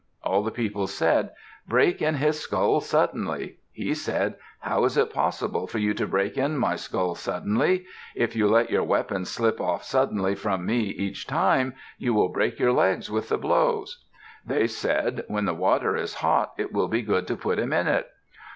All the people said, "Break in his skull suddenly." He said, "How is it possible for you to break in my skull suddenly? If you let your weapons slip off suddenly from me each time, you will break your legs with the blows." They said, "When the water is hot, it will be good to put him in it."